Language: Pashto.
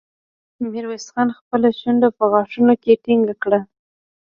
ميرويس خان خپله شونډه په غاښونو کې ټينګه کړه.